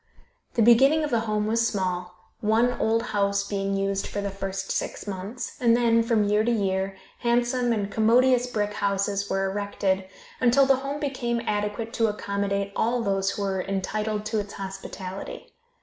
The beginning of the home was small, one old house being used for the first six months, and then, from year to year, handsome and commodious brick houses were erected, until the home became adequate to accommodate all those who were entitled to its hospitality.